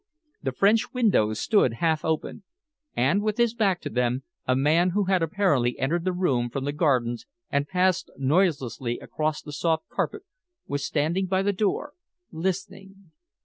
The French windows stood half open, and with his back to them, a man who had apparently entered the room from the gardens and passed noiselessly across the soft carpet, was standing by the door, listening.